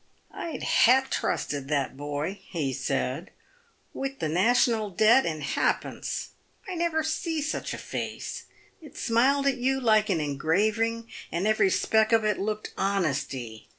"I'd ha' trusted that boy," he said, " wi' the national debt in ha'pence. I never see such a face. It smiled at you like an engraving, and every speck of it looked honesty.